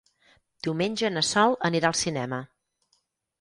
Diumenge na Sol anirà al cinema.